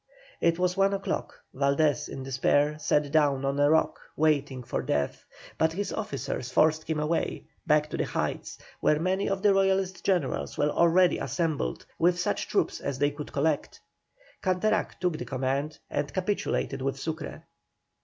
It was one o'clock, Valdés in despair, sat down on a rock, waiting for death; but his officers forced him away, back to the heights, where many of the Royalist generals were already assembled, with such troops as they could collect. Canterac took the command, and capitulated with Sucre.